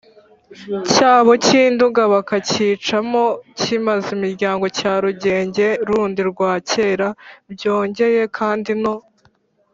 cyabo cy’induga bakacyicamo kimezamiryango cya rurenge rundi rwa kera. byongeye kandi no